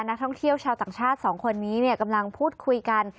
นักท่องเที่ยวชาวต่างชาติสองคนนี้กำลังพูดคุยกัน